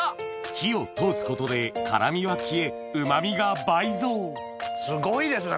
火を通すことで辛みは消え旨みが倍増すごいですね！